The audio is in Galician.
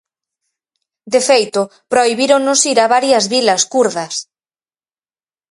De feito, prohibíronnos ir a varias vilas kurdas.